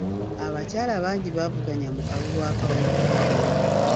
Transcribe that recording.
Abakyala bangi baavuganya mu kalulu ekawedde.